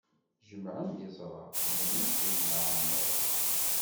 Jemɛen-d iẓra, xedmen-ten d aɛemmuṛ.